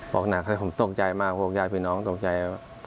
หนักเลยผมตกใจมากพวกญาติพี่น้องตกใจ